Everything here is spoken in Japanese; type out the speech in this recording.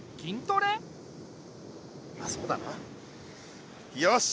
まっそうだなよし！